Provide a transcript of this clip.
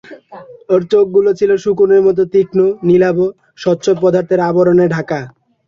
ওর চোখজোড়া ছিল শকুনের মতো তীক্ষ্ণ, নীলাভ, স্বচ্ছ পর্দার আবরণে ঢাকা।